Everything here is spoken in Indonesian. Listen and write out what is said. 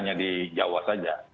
hanya di jawa saja